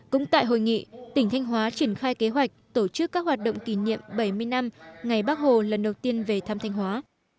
cũng tại hội nghị tỉnh thanh hóa triển khai kế hoạch tổ chức các hoạt động kỷ niệm bảy mươi năm ngày bắc hồ lần đầu tiên về thăm thanh hóa